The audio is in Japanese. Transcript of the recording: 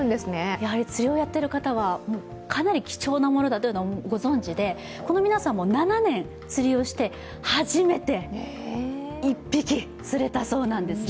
やはり釣りをやっている方はかなり貴重なものだというのはご存じでこの皆さんも７年釣りをして初めて１匹、釣れたそうなんですね。